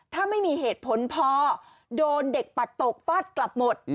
ถ้าไม่มีเหตุผลพอโดนเด็กปัดตกฟาดกลับหมด